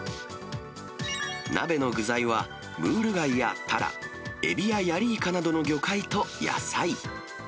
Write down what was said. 鍋の具材は、ムール貝やタラ、エビやヤリイカなどの魚介と野菜。